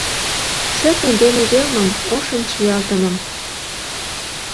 Шӧртньӧ дене велмым, ошын чиялтымым.